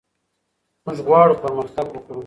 موږ غواړو پرمختګ وکړو.